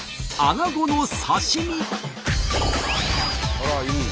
あらいい！